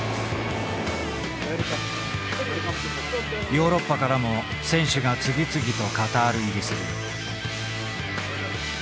ヨーロッパからも選手が次々とカタール入りする。